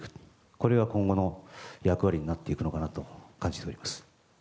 これが今後の役割になっていくのかなと感じております。